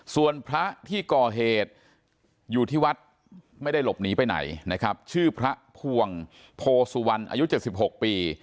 ส่วนพระที่ก่อเหตุอยู่ที่วัดไม่ได้หลบหนีไปไหนนะครับชื่อพระภวงโพสุวรรณอายุ๗๖ปี